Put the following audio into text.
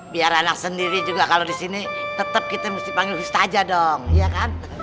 biar anak sendiri juga kalau di sini tetap kita mesti panggil ustaja dong iya kan